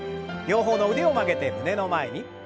両方の腕を曲げて胸の前に。